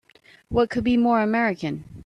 What could be more American!